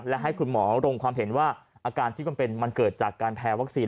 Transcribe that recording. และให้คุณหมอลงความเห็นว่าอาการที่มันเป็นมันเกิดจากการแพ้วัคซีน